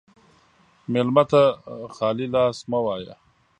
مېلمه ته خالي لاس مه وایه.